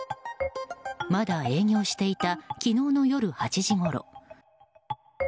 まだ営業していた昨日の夜８時ごろ。